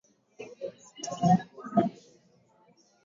kupunguza uzalishaji wa mmea na inaweza kuondoa virutubishi vilivyo